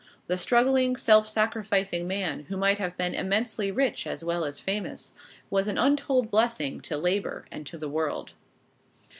The struggling, self sacrificing man, who might have been immensely rich as well as famous, was an untold blessing to labor and to the world.